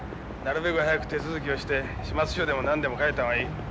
なるべく早く手続きをして始末書でも何でも書いた方がいい。